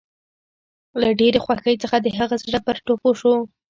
له ډېرې خوښۍ څخه د هغه زړه پر ټوپو شو